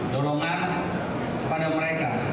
dorongan kepada mereka